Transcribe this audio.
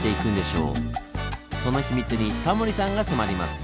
その秘密にタモリさんが迫ります。